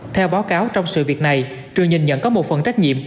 theo báo cáo trong sự việc này trường nhìn nhận có một phần trách nhiệm